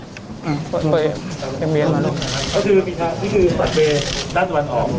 ลงท่า